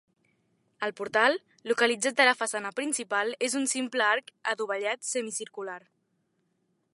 El portal, localitzat a la façana principal, és un simple arc adovellat semicircular.